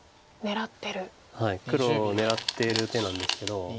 はい黒を狙ってる手なんですけど。